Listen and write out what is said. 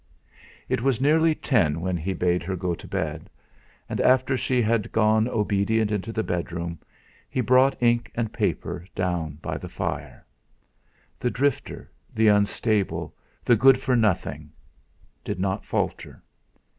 It was nearly ten when he bade her go to bed. And after she had gone obedient into the bedroom, he brought ink and paper down by the fire. The drifter, the unstable, the good for nothing did not falter.